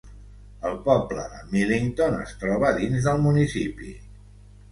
El poble de Millington es troba dins del municipi.